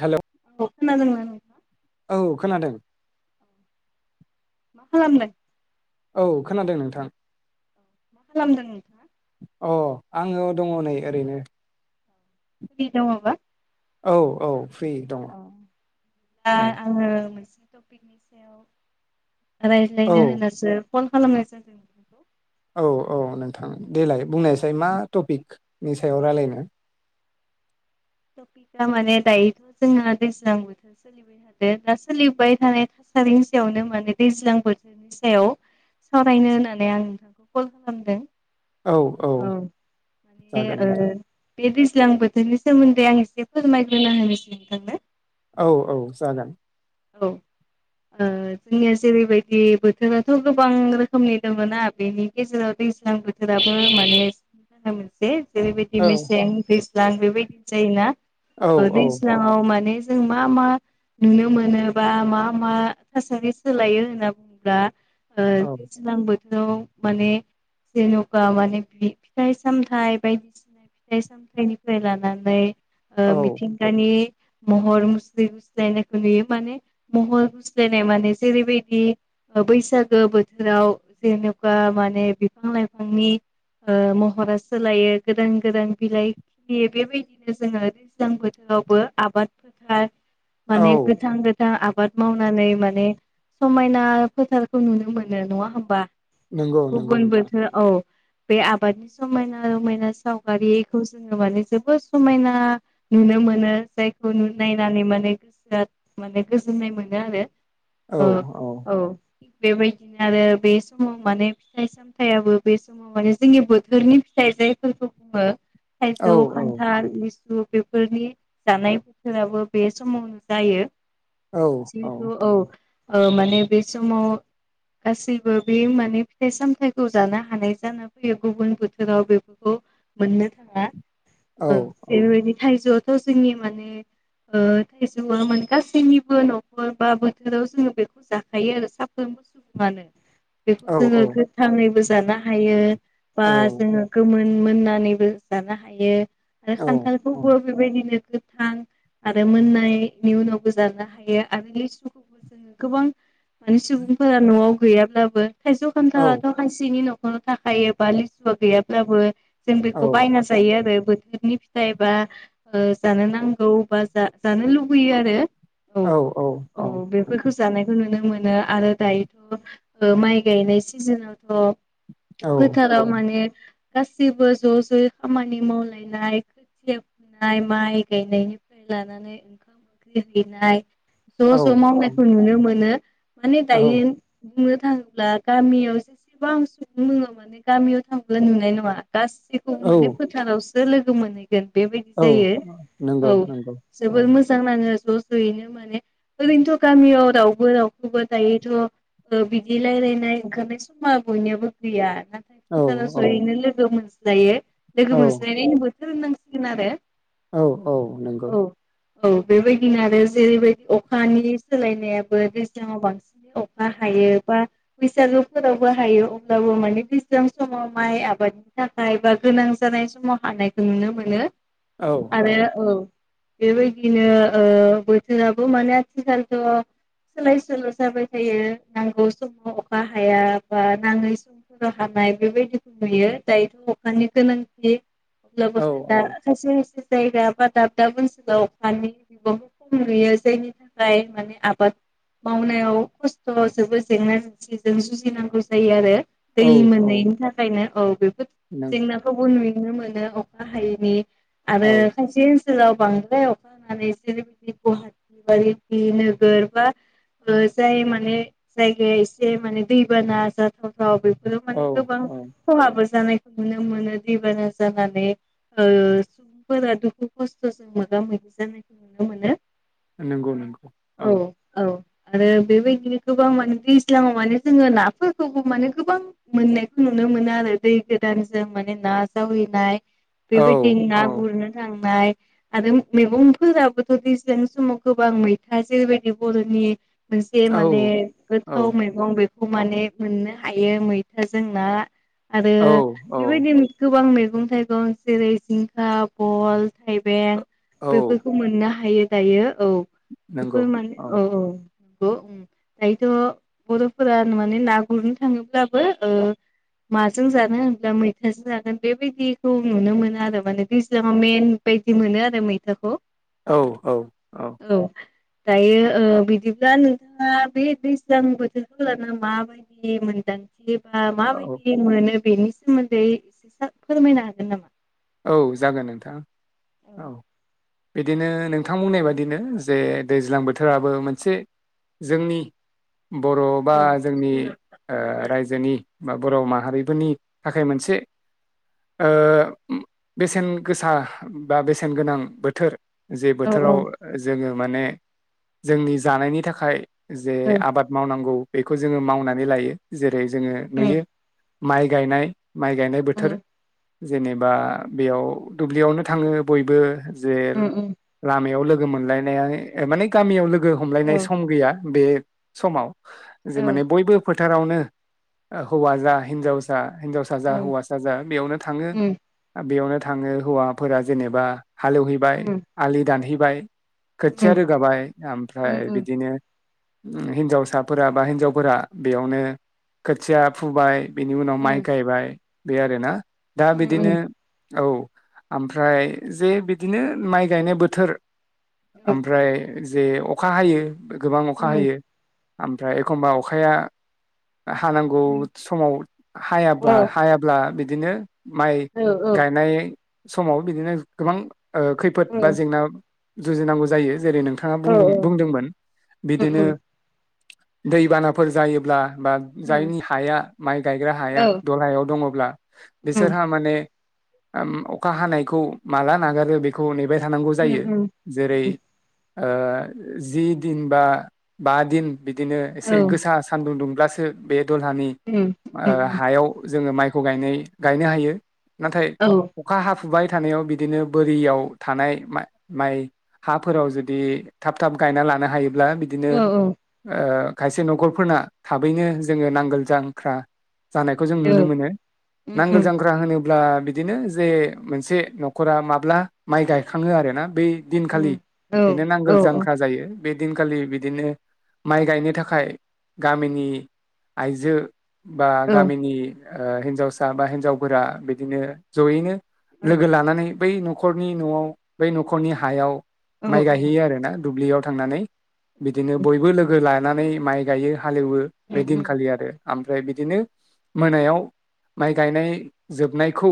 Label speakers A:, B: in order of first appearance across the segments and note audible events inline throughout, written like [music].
A: Hello
B: [unintelligible]
A: औ खोनादों
B: खालामदों?
A: औ खोनादों नोंथां
B: मा खालामदों नोंथांङा?
A: अ आंङो दंङ नै ओरैनो
B: फ्रि दंङबा?
A: औ औ फ्रि दङ
B: ओ
A: औ
B: आंङो मोनसे टपिकनि सायाव रायज्लायनो
A: औ
B: होननासो फन खालामनाय जादों नोंथांखौ।
A: औ औ नोंथां देलाय बुंनायसाय मा टपिकनि सायाव रायलायनो?
B: टपिकआ माने दायोथ' जोंना दैज्लां बोथोर सोलिबाय थादों दा सोलिबाय थानाय था सारिनि सायावनो माने दैज्लां बोथोरनि सायाव सावरायनो होननानै आं नोंथांखौ कल खालामदों।
A: औ औ
B: ए
A: जागोन
B: ओ ओ माने
A: नोंथां
B: बे दैज्लां बोथोरनि सोमोन्दै आं एसे फोरमायग्रोना होनोसै नोंथांनो।
A: औ औ जागोन।
B: औ जोंनिया जेरैबायदि बोथोराथ' गोबां रोखोमनि दङना बेनि गेजेराव दैज्लां बोथोराबो माने मोनसे जेरैबायदि
A: औ
B: मेसें दैज्लां बेबायदि जायोना
A: औ औ
B: दैज्लाङाव माने जों मा मा नुनो मोनो? एबा मा मा थासारि सोलायो होनना बुंङोल्बा
A: औ
B: दैज्लां बो थोराव माने जेन'खा माने फिथाइ सामथाइ बायदिसिना फिथाइ सामथाइनिफ्राय लानानै
A: औ
B: मिथिंगानि महर मुस्रि गुस्लायनायखौ नुयो माने। महर गुस्लायनाय माने जेरैबायदि बैसागो बोथोराव जेनेबा माने बिफां लाइफांनि महरा सोलायो गोदान गोदान बिलाइ खिलियो बेबायदिनो जोङो दैज्लां बोथो रावबो आबाद फोथार माने
A: औ
B: गोथां गो थां आबाद मावनानै माने समायना फोथारखौ नुनो मोनो नङा होमबा?
A: नंगौ नंगौ
B: गुबुन
A: नोंथां
B: बोथोर औ बे आबादनि समायना रमायना सावगारिखौ जोङो माने जोबोद समायना नुनो मोनो जायखौ नायनानै माने गोसोआ माने गोजोननाय मोनो आरो।
A: औ
B: ओ
A: औ
B: थिग बेबायदिनो आरो बे समाव माने फिथाइ सामथायाबो बे समाव माने जोंनि बोथोरनि थाइजायफोरखौ बुङो
A: औ
B: थाइजौ,
A: औ
B: खान्थाल, लि सु बेफोरनि जानाय बोथोराबो बे समावनो जायो।
A: औ औ
B: जिहेथु औ माने बे समाव गासैबो बे माने फिथाइ सामथाइखौ जानो हानाय जाना फैयो गुबुन बोथोराव बेफोरखौ। मोननो थाङा।
A: औ औ
B: बेबायदि थाइजौआथ' जोंनि माने थाइजौआ माने गा सैनिबो न'खर बा बोथोराव जोङो बेखौ जाखायो आरो साफ्रोमबो सुबुङानो। बेखौ जोङो गोथाङैबो जानो हायो बा
A: औ
B: जोङो गोमोन मोननानैबो जानो हायो आरो
A: औ औ
B: खान्थालखौबो बेबायदिनो। गोथां आरो मोननायनि उनाव जानो हायो आरो लिसुखौबो जोङो गोबां माने सुबुंफोरा न'आव गैयाब्लाबो थाइजौ खान्थालाथ' खायसेनि न'खराव थाखायो बा लिसुआ गैयाब्लाबो। जों बेखौ बायना जायो आरो बोथोरनि फिथाइ बा जानो नांगौ बा। जानो लुबैयो आरो। औ औ बेफोरखौ जानायखौ नुनो मोनो आरो दायोथ' माइ गायनाय सिजोनावथ'
A: औ औ
B: फोथाराव माने गासैबो ज' ज'यै खामानि मावलायनाय। खोथिया फुनाय माइ गायनायनिफ्राय लानानै ओंखाम- ओंख्रि [unintelligible]
A: औ
B: ज' ज'
A: औ
B: मावनायखौ नुनो मोनो माने दायो
A: औ
B: बुंनो थाङोब्ला गामियाव जेसेबां सुबुं दङ माने गामियाव थाङोब्ला नुनाय नङा। गासैखौबो
A: औ
B: माने फोथारावसो लोगो मोनहै गोन बेबायदि
A: औ
B: जायो औ
A: नंगौ नंगौ औ
B: जोबोर मोजां नाङो। ज' जयैनो माने ओरैनोथ' गामियाव रावबो रावखौबो दायोथ' बिदि रायलायनाय ओंखारनाय समा बयनियाबो गैया।
A: औ
B: नाथाय जों
A: औ
B: जयैनो लोगो मोनज्लायो
A: औ
B: लोगो मोनज्लायनायनि बोथोर होननांसिगोन आरो।
A: औ औ नंगौ।
B: औ औ बेबायदि फिन आरो जेरैबायदि अखानि सोलायनायाबो दैज्लांआव बांसिनै अखा हायो बा। बैसागुफोरावबो हायो अब्लाबो माने दैज्लां समाव माइ आबादनि थाखाय बा गोनां जानाय समाव हानायखौ नुनो मोनो आरो औ बेबायदिनो ओ बोथोराबो माने आथिखालाव सोलाय सोल' जाबाय थायो नांगौ समाव अखा हाया बा नाङै समफोराव हा नाय बेबायदिखौ नुयो दायोथ' अखानि गोनांथि अब्लाबो
A: औ
B: दा खायसे खायसे जायगा बा दाब दाब ओनसोलाव अखानि बहुद खम नुयो जायनि थाखाय माने आबाद मावनायाव खस्थ' जेबो जेंना जेंसिजों जुजिनांगौ जायो आरो दै
A: औ औ
B: मोनैनि थाखायनो औ बेफोर
A: नों
B: जेंनाखौबो नुयो नुनो मोनो अखा हायैनि
A: औ
B: आरो खायसे ओनसोलाव बांद्राय अखा हानानै जेरैबायदि गुवाहाटि बादि नोगोर बा जाय माने जायगाया एसे माने दैबाना जाथाव राव बेफोरो
A: औ
B: माने गोबां
A: औ
B: खहाबो जानायखौ नुनो मोनो दैबाना जानानै ओ सुबुंफोरा दुखु खस्थ'जों मोगा मोगि जानायखौ नुनो मोनो
A: नंगौ नंगौ औ
B: आरो बेबायदिनो गोबां माने दैज्लाङाव माने जोंङो नाफोरखौबो माने गोबां मोननायखौ नुयो नुनो मोनो आरो दै गोदानजों माने ना जावहैनाय
A: औ
B: बेबायदि
A: औ
B: ना गुरनो थांनाय आरो मैगं फोराबोथ' दैज्लां समाव गोबां मैथा जेरैबायदि बर'नि मोनसे माने
A: औ
B: गोथाव मैगं बे माने मोननो हायो मैथाजों ना आरो
A: औ
B: बेबायदिनो गोबां मैगं मैगं थाइगं जेरै जिंखा बल थाइबें
A: औ
B: बेफोरखौ मोननो हायो दायो औ बेफोर माने औ औ नंगौ उम दायोथ' बर'फोरा माने ना गुरनो थाङोब्लाबो ओ माजों जानो होनब्ला मैथाजों जागोन बेबायदिखौ नुनो मोनो आरो माने दैज्लांआव मेन बायदि मोनो आरो मैथाखौ
A: औ औ औ
B: दायो ओ बिदिब्ला नोंथांङा बे दैज्लां बोथोरखौ लाना माबायदि मोनदां बा
A: औ
B: माबायदि मोनो बेनि सोमोन्दै एसे फोरमायनो हागोन नामा
A: औ जागोन नोंथां औ बिदिनो नोंथां बुंनाय बायदिनो जे दैज्लां बोथोराबो मोनसे जोंनि बर' बा
B: औ
A: जोंनि ओ रायजोनि बा बर' माहारिफोरनि थाखाय मोनसे ओ बेसेन गोसा बा बेसेन गोनां बोथोर जे बोथोराव
B: औ
A: जोंङो माने जोंनि जानायनि थाखाय जे
B: औ
A: आबाद मावनांगौ बेखौ जोंङो मावनानै लायो जेरै जोंङो नुयो माइ गायनाय माइ गायनाय
B: उम
A: बोथोर जेनेबा बेयाव दुब्लियावनो थांङो बयबो जे
B: उम उम
A: लामायाव लोगो मोनलायनाया माने गामियाव लोगो
B: उम
A: हमलायनाय
B: औ
A: सम गैया बे समाव जे
B: औ
A: माने बयबो फो फोथारावनो हौवा जा हिनजावसा हिनजावसा जा
B: औ
A: हौवासा जा बेयावनो थांङो
B: उम
A: बेयावनो थांङो हौवाफोरा जेनेबा हालेवहैबाय
B: उम
A: आलि दानहैबाय खोथिया
B: उम
A: रोगाबाय ओमफ्राय
B: उम उम
A: बिदिनो हिन्जावसाफोरा बा हिन्जावफोरा बेयावनो खोथिया फुबाय बिनि उनाव
B: औ
A: माइ गायबाय बे आरोना दा बिदिनो औ ओमफ्राय जे बिदिनो माइ गायनाय बोथोर ओमफ्राय जे अखा हायो गोबां अखा हायो ओमफ्राय एखमबा अखाया हानांगौ समाव हायाब्ला हायाब्ला बिदिनो माइ गायनाय समाव बिदिनो गोबां ओ खैफोद बा जेंना जुजिनांगौ जायो जेरै नोंथाङा बुंदों बुंदोंमोन बिदिनो दैबानाफोर जायोब्ला बा जायनि हाया माइ गायग्रा हाया दलहायाव दङब्ला बिसोरहा माने ओम अखा हानायखौ माला नागारो बेखौ नेबाय थानांगौ जायो जेरै आ जि दिन बा बा दिन बिदिनो एसे
B: औ
A: गोसा सान्दुं दुंब्लासो बे दलहानि आ हायाव जोङो माइ ख गायनो हायो नाथाय अखा हाफ फुबाय थानायाव बिदिनो बोरियाव थानाय मे-माइ हाफोराव जुदि थाब थाब गा गायना लानो हायोब्ला बिदिनो ओ खायसे न'खरफोरना थाबैनो जोङो नांगोल जांख्रा जानायखौ जों नुनो मोनो। नांगोल जांगख्रा होनोब ब्ला बिदिनो जे मोनसे न'खरा माब्ला माइ गायखाङो आर ना बै दिनखालि बेनो नांगोल जांख्रा जायो। बे दिनखालि बिदिनो माइ गायनो थाखाय गामिनि आइजो बा गामिनि आ हिन्जावसा बा हिन्जावफोरा बिदिनो जयैनो लोगो लानानै बै न'खरनि न'आव बै न'खरनि हायाव माइ गायहैयो आरोना दुब्लियाव थांनानै बिदिनो बयबो लोगो लानानै माइ गायो। हालेवो बे दिनखालि आरो ओमफ्राय बिदिनो मोनायाव माइ गायनाय जोबनायखौ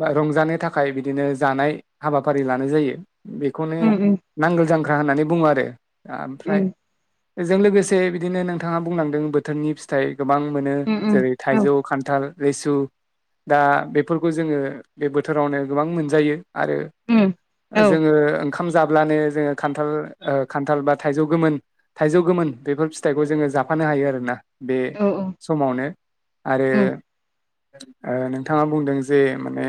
A: बा रंजानो थाख खाय बिदिनो जानाय हाबाफारि लानाय जायो बेखौनो नांगाल जांग गा होननानै बुङो आरो ओमफ्राय एजों लोगोसे बिदिनो नोंथाङा बुंलांदों बोथोरनि फिथाइ गोबां मोनो जेरै थाइजौ खान्थाल रैसु दा बेफोरखौ जोङो बे बोथोरावनो गोबां मोनजायो। आरो जोङो खाम जाब्लानो जोङो खान्थाल ओ‌ खान्थाल बा थाइजौ गोमोन थाइजौ गोमोन बेफोर फिथाइखौ जोङो जाफानो हायो आरोना बे समावनो आरो आ नोंथाङा बुंदों जे माने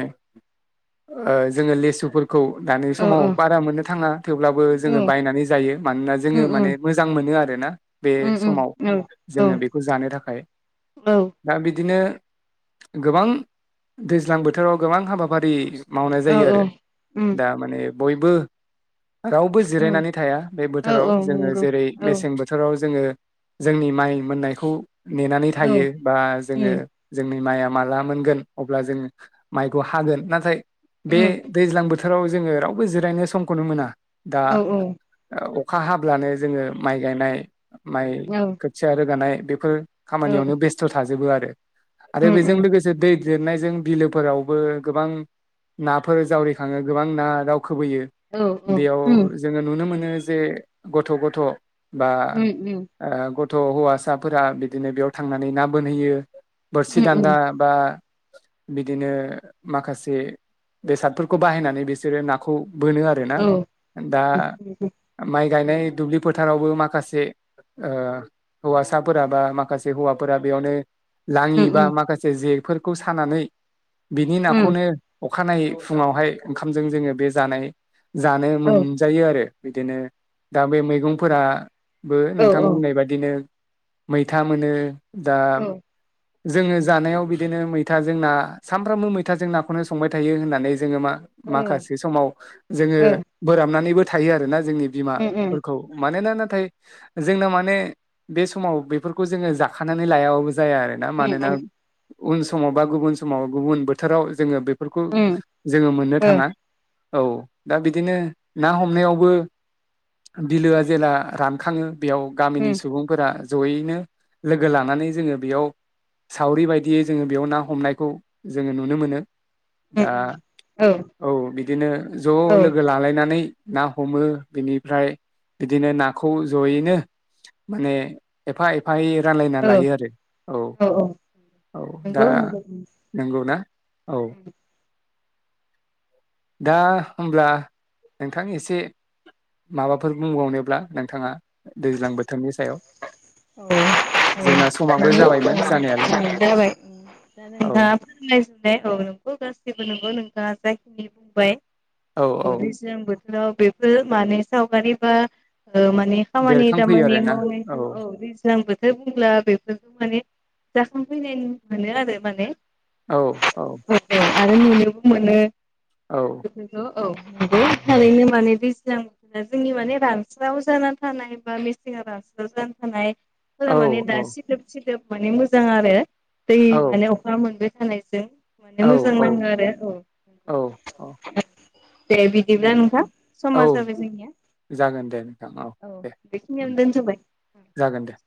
A: ओ जोङो लेसुफो खौ दानि समाव बारा मोननो थाङा थेवब्लाबो जोङो बायनानै जायो मानोना जोङो माने मोजां मोनो आर ना बे समाव जोङो बेखौ जानो थाखाय दा बिदिनो गोबां दैज्लां बोथोराव गोबां हाबाफारि मावनाय जायो आरो दा माने बयबो रावबो जिरायनानै थाया बे
B: औ
A: बोथोराव
B: औ
A: जोङो
B: नंगौ
A: जेरै
B: औ
A: मेसें बोथोराव जोङो जोंनि माइ मोननायखौ नेनानै
B: औ
A: थायो बा जोङो
B: उम
A: जोंनि माइया माला मोनगोन आब्ला जोङो माइखौ हागोन नाथाय बे
B: उम
A: दैज्लां बोथ थोराव जोङो रावबो जिरायनो समखौनो मोना दा
B: औ औ
A: औ अखा हाब्लानो जोङो माइ गायनाय माइ
B: औ
A: खोथिया रोगानाय बेफो
B: औ
A: खामानियावनो बेस्थ' थाजोबो आरो आरो
B: उम
A: बेजों
B: उम
A: लोगोसे दैद लिरनायजों बिलोफोरावबो गोबां नाफोर जावरिखाङो गोबां ना दावब खोबोयो
B: औ
A: बेयाव
B: उम
A: जोङो नुनो मोनो जे गथ' गथ' बा
B: उम उम
A: ए गथ' हौवासाफोरा बिदिनो बेयाव थांनानै ना बोनहैयो बोरसि
B: उम
A: दान्दा
B: उम
A: बा बिदिनो माखासे बेसादफोरखौ बाहायनानै बिसोरो नाखौ बोनो आरोना
B: औ
A: दा
B: उम
A: माइ गायनाय दुब्लि फोथारावबो माखासे ओ हौवासाफोरा बा माखासे हौवाफोरा बेयावनो लाङि
B: उम
A: बा माखासे जेफोरखौ सानानै बिनि
B: उम
A: नाखौनो अखानायै फुङावहाय ओंखामजों जोङो बे जानाय जानो
B: औ
A: मोनजायो आरो बिदिनो दा बे मैगंफोराबो
B: औ ओ उम ओ उम औ
A: नोंथां बुंनाय बादिनो मैथा मोनो दा जोङो जानायाव बिदिनो मैथाजों ना सामफ्रामबो मैथाजों नाखौनो संबाय थायो होननानै जोङो मा
B: औ
A: माखासे समाव जोङो
B: औ
A: बोराबनानैबो थायो आरोना जोंनि
B: नंगौ
A: बिमाफोरखौ मानोना ना थाय जोंना माने बे समाव बेफोरखौ जोंङो जाखानानै लायाबाबो जाया आ ना मानोना उन‌ समाव बा गुबुन समाव गुबुन बोथोराव जोंङो बे बेफोरखौ जोंङो मोननो थाङा औ दा बिदिनो ना हमनायावबो बिलोआ जेला रानखाङो बेयाव गामिनि सुबुंफोरा जयैनो लोगो लानानै जोंङो बेयाव सावरि बायदियै जोंङो बेयाव ना हमनायखौ जोंङो नुनो मोनो दा औ बिदिनो ज लोगो लालायनानै ना हमो बिनिफ्राय बिदिनो नाखौ जयैनो माने एफा एफायै रानलायना लायो आरो। औ औ दा
B: नंगौ औ
A: नंगौ ना औ दा होमब्ला नोंथां एसे माबाफोर बुंबावनोब्ला नोंथाङा दैज्लां बोथोरनि सायाव
B: औ
A: जोंना
B: औ
A: समाबो
B: नंगौ
A: जाबायमोन
B: दा
A: जानायालाय औ
B: नोथाङा फोरमायजोबनाय औ नोंगौ गासिबो नंगौ नोंथाङा जाय बुंबाय औ दैज्लां बोथोराव बेफोर माने सावगारि बा औ माने खामानि
A: बेरखांफैयो
B: दामानि
A: आरोना
B: मावनायखौ औ दैज्लां बोथोर बुंब्ला बेफोरखौ माने जाखांफैनाय मोनो आरो माने
A: औ औ
B: आरो नुनोबो मोनो
A: औ
B: बेफोरखौ औ नंगौ थारैनो माने दैज्लां बोथोरा जोंनि माने रानस्राव जाना थानाय बा मेसें [unintelligible] थानाय फोर
A: औ
B: माने
A: औ
B: दा सिदोब-सिदोब माने मोजां आरो दै माने अखा मोनबाय थानायजों माने मोजां नाङो आरो औ दे बिदिब्ला नोंथां समा
A: औ
B: जाबाय जोंनिया
A: जागोन दे नोंथां
B: औ
A: दे
B: बेखिनियावनो दोनथबाय
A: जागोन दे